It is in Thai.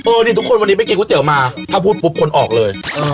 ทุกคนวันนี้ไปกินก๋วยเตี๋ยวมาถ้าพูดปุ๊บคนออกเลย